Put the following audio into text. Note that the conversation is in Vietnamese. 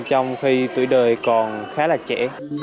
trong khi tuổi đời còn khá là trẻ